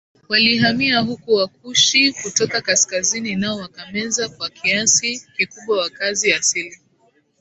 walihamia huko Wakushi kutoka kaskazini nao wakameza kwa kiasi kikubwa wakazi asili